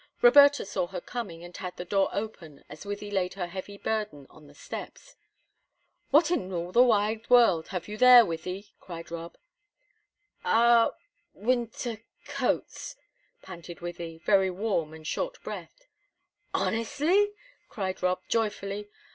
Roberta saw her coming, and had the door open as Wythie laid her heavy burden on the steps. "What in all the wide world have you there, Wythie?" cried Rob. "Our winter coats," panted Wythie, very warm and short breathed. "Honestly?" cried Rob, joyfully.